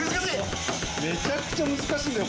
めちゃくちゃ難しいんだよ